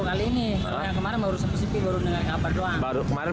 kalau baru lihat tadi memang ada ternyata benda lain